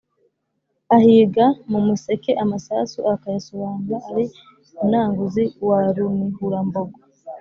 ahiga mu musekeamasasu akayasobanura ali Munanguzi wa Runihurambogo.